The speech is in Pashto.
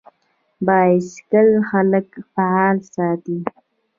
بایسکل خلک فعال ساتي.